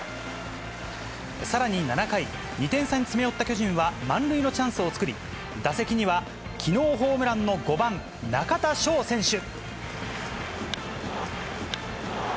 さらに７回、２点差に詰め寄った巨人は、満塁のチャンスを作り、打席には、きのうホームランの５番中田翔選手。